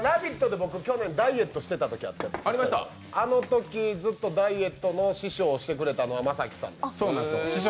で僕、去年ダイエットしてたときがあってあのときずっとダイエットの師匠をしてくれたのはマサキさんです。